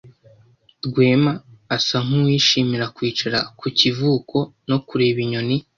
Rwema asa nkuwishimira kwicara ku kivuko no kureba inyoni.